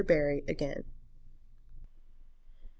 BARRY AGAIN. "Mr.